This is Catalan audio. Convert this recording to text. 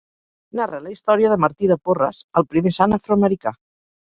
Narra la història de Martí de Porres el primer sant afroamericà.